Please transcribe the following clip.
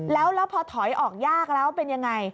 แล้วพอถอยออกยากแล้วเป็นยังไง